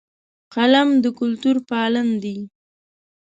قلم د کلتور پالن دی